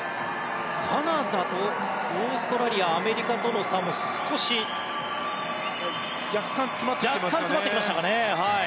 カナダとオーストラリアアメリカとの差も若干、詰まってきましたかね。